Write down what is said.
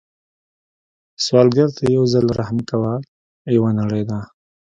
سوالګر ته یو ځل رحم کول یوه نړۍ ده